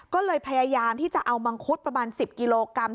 ก็เลยพยายามที่จะเอามังคุดประมาณ๑๐กิโลกรัม